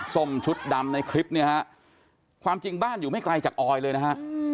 ส้มชุดดำในคลิปเนี่ยฮะความจริงบ้านอยู่ไม่ไกลจากออยเลยนะฮะ